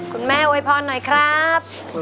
คุณแม่โอ้ยพรหน่อยครับ